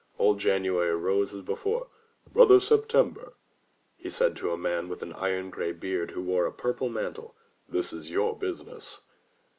Old January rose as before. "Brother September," said he to a man with an iron gray beard who wore a purple mantle, "this is your business."